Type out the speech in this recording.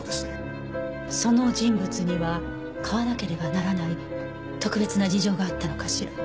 その人物には買わなければならない特別な事情があったのかしら？